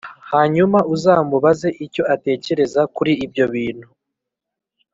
Hanyuma uzamubaze icyo atekereza kuri ibyo bintu